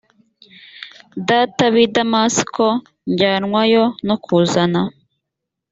data b i damasiko njyanwayo no kuzana